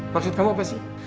maksud kamu apa sih